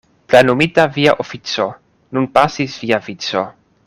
Plenumita via ofico, nun pasis via vico!